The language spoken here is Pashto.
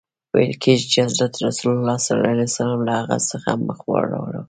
ویل کیږي چي حضرت رسول ص له هغه څخه مخ واړاوه.